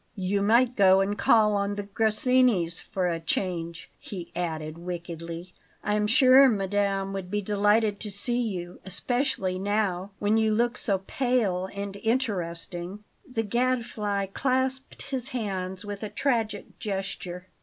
"You might go and call on the Grassinis for a change," he added wickedly. "I'm sure madame would be delighted to see you, especially now, when you look so pale and interesting." The Gadfly clasped his hands with a tragic gesture.